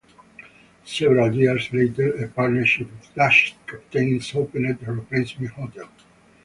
Several years later a partnership of Danish captains opened a replacement hotel.